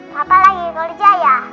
papa lagi kerja ya